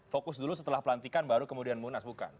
fokus dulu setelah pelantikan baru kemudian munas bukan